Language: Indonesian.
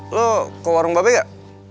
lo ke warung bbm gak